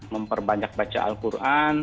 memperbanyak baca al quran